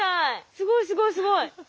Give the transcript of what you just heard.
すごいすごいすごい。